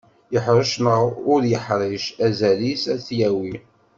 Yeḥrec neɣ ur yeḥric, azal-is ad t-yawi.